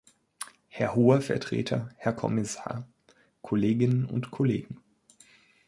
Herr Hoher Vertreter, Herr Kommissar, Kolleginnen und Kollegen!